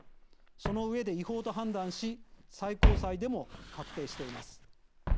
その上で違法と判断し最高裁でも確定しています。